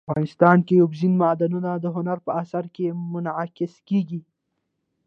افغانستان کې اوبزین معدنونه د هنر په اثار کې منعکس کېږي.